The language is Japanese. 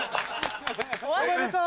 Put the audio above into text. おめでとう！